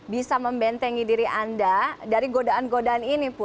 bisa membentengi diri anda dari godaan godaan ini